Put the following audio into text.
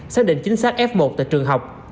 xác định chính xác f một tại trường học